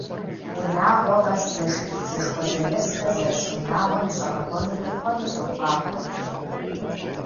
Унагъуэ къэс зэшитху зэшхуэзэесрэ зэрыс унагъуэм и щӀэгъэкъуэну къихъуэну сохъуахъуэ!